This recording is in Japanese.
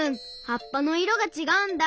はっぱのいろがちがうんだ。